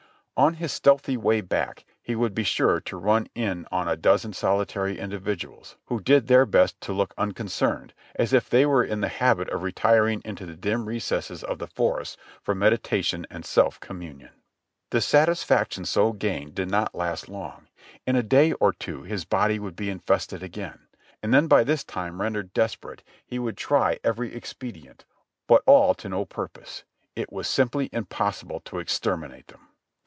On his stealthy way back he would be sure to run in on a dozen solitary individuals, who did their best to look unconcerned, as if indeed they were in the habit of retiring into the dim recesses* of the forest for meditation and self communion. The satisfaction so gained did not last long; in a day or two his body would be infested again ; and then by this time rendered desperate he v^^ould try every expedient, but all to no purpose; it was simply impossible to exterminate them.